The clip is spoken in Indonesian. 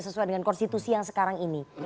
sesuai dengan konstitusi yang sekarang ini